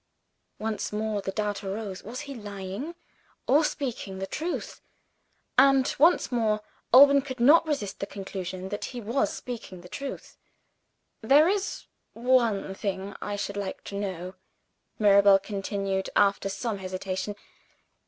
Once more, the doubt arose: was he lying? or speaking the truth? And, once more, Alban could not resist the conclusion that he was speaking the truth. "There is one thing I should like to know," Mirabel continued, after some hesitation.